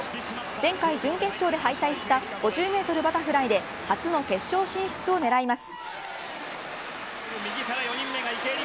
前回準決勝で敗退した５０メートルバタフライで初の決勝進出を狙います。